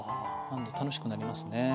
なんで楽しくなりますね。